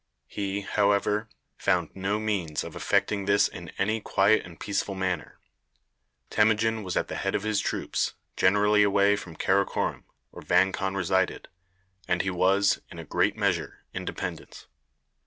He, however, found no means of effecting this in any quiet and peaceful manner. Temujin was at the head of his troops, generally away from Karakorom, where Vang Khan resided, and he was, in a great measure, independent.